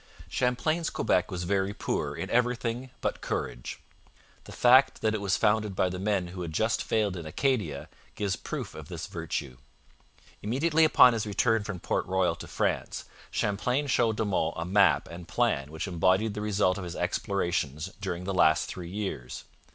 Champlain's Quebec was very poor in everything but courage. The fact that it was founded by the men who had just failed in Acadia gives proof of this virtue. Immediately upon his return from Port Royal to France, Champlain showed De Monts a map and plan which embodied the result of his explorations during the last three years.